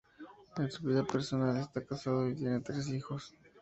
En su vida personal, está casado y tiene tres hijos.